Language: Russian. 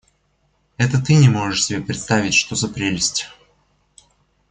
Это ты не можешь себе представить, что за прелесть!